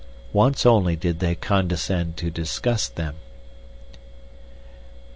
Once only did they condescend to discuss them.